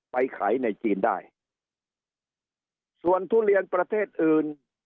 ไปขายในจีนได้ส่วนทุเรียนประเทศอื่น